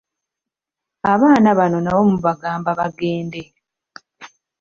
Abaana bano nabo mubagamba bagende.